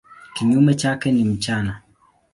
Kinyume chake ni mchana.